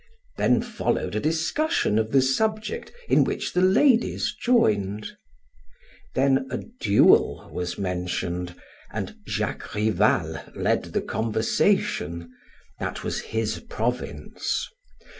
Then followed a discussion of the subject in which the ladies joined. Then a duel was mentioned and Jacques Rival led the conversation; that was his province.